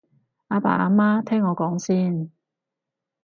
阿爸阿媽聽我講先